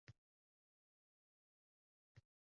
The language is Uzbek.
Men bir hafta turmoqchiman.